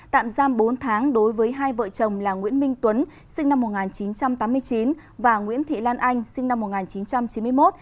tạm giam bốn tháng đối với hai vợ chồng là nguyễn minh tuấn sinh năm một nghìn chín trăm tám mươi chín và nguyễn thị lan anh sinh năm một nghìn chín trăm chín mươi một